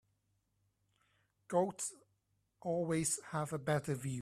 Goats always have a better view.